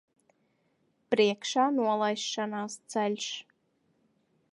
Priekšā nolaišanās ceļš.